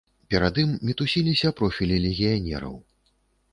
Перад ім мітусіліся профілі легіянераў.